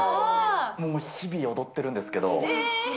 日々踊ってるんですけれども。